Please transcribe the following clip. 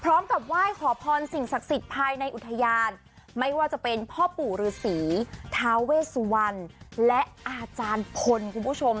พร้อมกับไหว้ขอพรสิ่งศักดิ์สิทธิ์ภายในอุทยานไม่ว่าจะเป็นพ่อปู่ฤษีท้าเวสวรรณและอาจารย์พลคุณผู้ชม